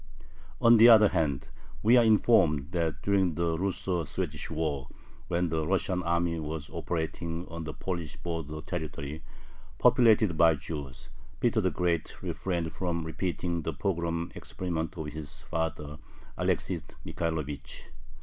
On the other hand, we are informed that, during the Russo Swedish War, when the Russian army was operating on the Polish border territory, populated by Jews, Peter the Great refrained from repeating the pogrom experiments of his father, Alexis Michaelovich.